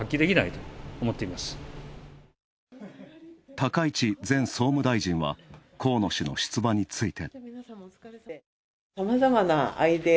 高市前総務大臣は、河野氏の出馬について。